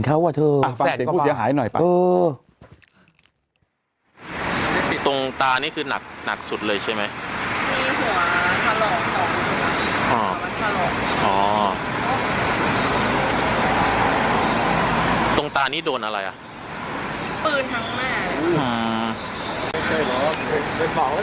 อืออือไม่เคยบอกไม่เคยบอกว่าจะมีการขึ้นขาขนาดนั้น